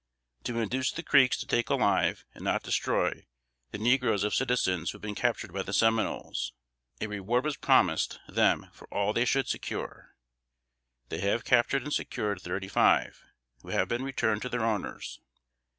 To induce the Creeks to take alive, and not destroy, the negroes of citizens who had been captured by the Seminoles, a reward was promised them for all they should secure. They have captured and secured thirty five, who have been returned to their owners.